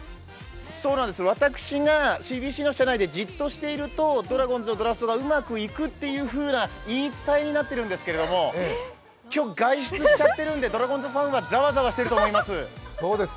私がＣＢＣの社内でじっとしているとドラゴンズのドラフトがうまくいくという言い伝えになってるんですけど今日外出しちゃってるんでドランゴンズファンはザワザワしちゃってると思います。